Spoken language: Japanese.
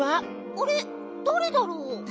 あれっだれだろう？